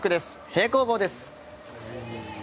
平行棒です。